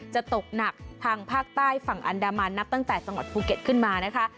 จะตกหนักทางภาคใต้ฝั่งอันดามันนับตั้งแต่จังหวัดภูเก็ตขึ้นมานะคะ